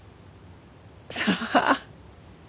さあ。